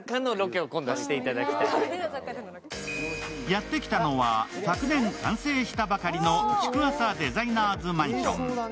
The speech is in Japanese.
やって来たのは、昨年完成したばかりの築浅デザイナーズマンション。